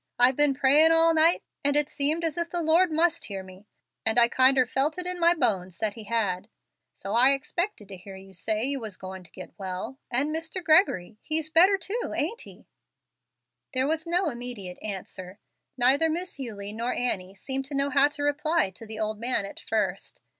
I've been prayin' all night, and it seemed as if the Lord must hear me, and I kinder felt it in my bones that He had. So I expected to hear you say you was goin' to get well; and Mr. Gregory, he's better too ain't he?" There was no immediate answer. Neither Miss Eulie nor Annie seemed to know how to reply to the old man at first.